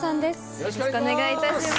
よろしくお願いします。